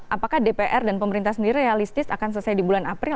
apakah dpr dan pemerintah sendiri realistis akan selesai di bulan april